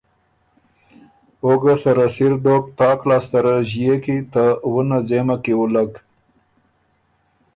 او ګۀ سره سِر دوک تاک لاسته ره ݫيې کی ته وُنه ځېمه کی وُلّک